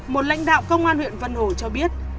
một lãnh đạo công an huyện vân hồ cho biết